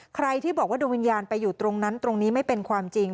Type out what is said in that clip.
ใครที่บอกว่าดวงวิญญาณไปอยู่ตรงนั้นตรงนี้ไม่เป็นความจริง